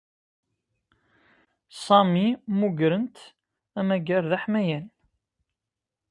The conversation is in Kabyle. Sami mmuggren-t ammager d aḥmayan.